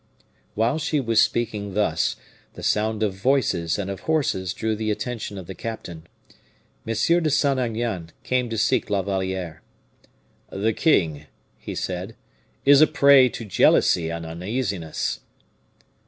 While she was speaking thus, the sound of voices and of horses drew the attention of the captain. M. de Saint Aignan came to seek La Valliere. "The king," he said, "is a prey to jealousy and uneasiness."